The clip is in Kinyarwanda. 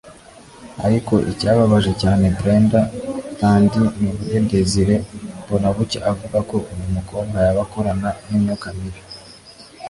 ariko icyababaje cyane Brenda Thandi ni uburyo Desire Mbonabucya avuga ko uyu mukobwa yaba akorana n’imyuka mibi